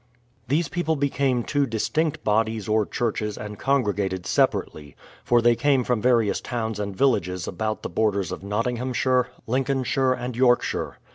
These people became two distinct bodies or churches and congregated separately; for they came from various towns and villages about the borders of Nottinghamshire, Lincoln shire, and Yorkshire.